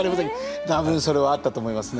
多分それはあったと思いますね。